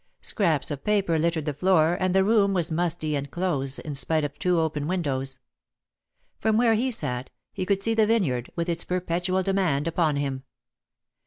Scraps of paper littered the floor and the room was musty and close in spite of two open windows. From where he sat, he could see the vineyard, with its perpetual demand upon him.